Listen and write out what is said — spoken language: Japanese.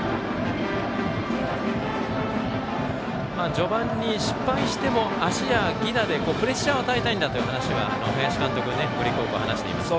序盤に、失敗しても足や犠打でプレッシャーを与えたいという話は北陸高校の林監督はしています。